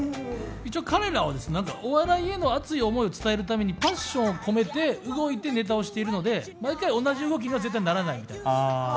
一応彼らはですねお笑いへの熱い思いを伝えるためにパッションを込めて動いてネタをしているので毎回同じ動きには絶対ならないみたいです。